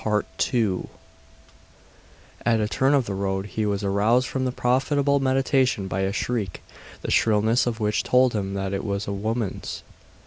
At a turn of the road he was aroused from this profitable meditation by a shriek, the shrillness of which told him that it was a woman's.